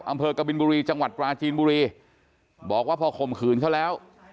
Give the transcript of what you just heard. กบินบุรีจังหวัดปราจีนบุรีบอกว่าพอข่มขืนเขาแล้ว